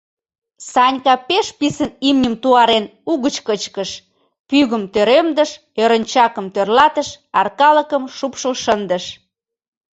Санька, пеш писын имньым туарен, угыч кычкыш: пӱгым тӧремдыш, ӧрынчакым тӧрлатыш, аркалыкым шупшыл шындыш.